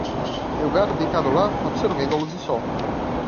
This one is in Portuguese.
Meu gato deitado lá? absorvendo a luz do sol.